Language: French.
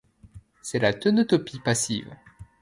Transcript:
C'est la tonotopie passive.